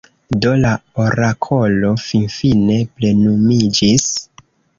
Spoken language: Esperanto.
Do la orakolo finfine plenumiĝis.